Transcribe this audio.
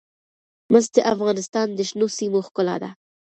مس د افغانستان د شنو سیمو ښکلا ده.